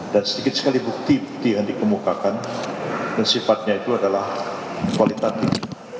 dan sedikit sekali bukti bukti yang dikemukakan dan sifatnya itu adalah kualitatif